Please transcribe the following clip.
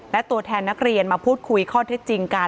และตัวแทนนักเรียนมาพูดคุยข้อเท็จจริงกัน